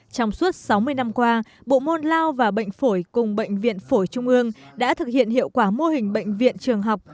trong suốt sáu mươi năm qua bộ môn lao và bệnh phổi cùng bệnh viện phổi trung ương đã thực hiện hiệu quả mô hình bệnh viện trường học